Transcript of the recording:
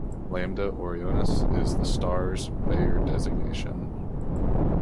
"Lambda Orionis" is the star's Bayer designation.